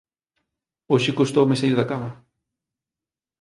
Hoxe custoume saír da cama.